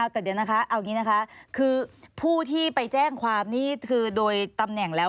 แต่เดี๋ยวนะคะเอาอย่างนี้นะคะคือผู้ที่ไปแจ้งความนี่คือโดยตำแหน่งแล้ว